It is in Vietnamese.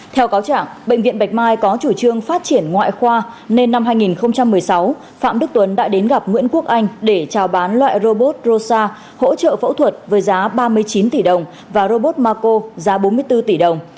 theo cáo trạng bệnh viện bạch mai có chủ trương phát triển ngoại khoa nên năm hai nghìn một mươi sáu phạm đức tuấn đã đến gặp nguyễn quốc anh để trao bán loại robot rosa hỗ trợ phẫu thuật với giá ba mươi chín tỷ đồng và robot maco giá bốn mươi bốn tỷ đồng